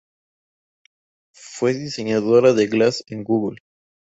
Fue diseñadora de Glass de Google.